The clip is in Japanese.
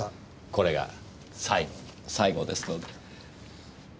これが最後の最後ですので。